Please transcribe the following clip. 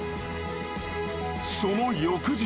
その翌日。